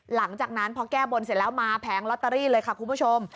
หลังจากนั้นพอแก้บนเสร็จแล้วมาแผงลอตเตอรี่เลยค่ะคุณผู้ชม